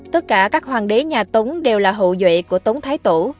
tất cả các hoàng đế nhà tống đều là hậu duệ của tống thái tổ